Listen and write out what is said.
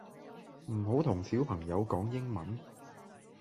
唔好同小朋友講英文